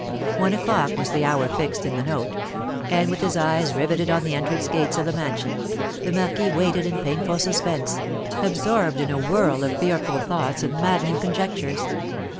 One o'clock was the hour fixed in the note; and with his eyes riveted on the entrance gates of the mansion, the marquis waited in painful suspense, absorbed in a whirl of fearful thoughts and maddening conjectures.